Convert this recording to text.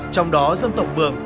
trong đó dân tộc mường